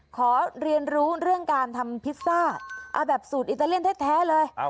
ขอเรียนรู้เรื่องการทำพิซซ่าเอาแบบสูตรอิตาเลียนแท้เลย